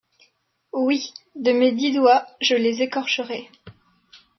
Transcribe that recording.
Oui, de mes dix doigts, je les écorcherais...